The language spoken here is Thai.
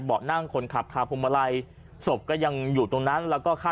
นั่งคนขับคาพวงมาลัยศพก็ยังอยู่ตรงนั้นแล้วก็ค่า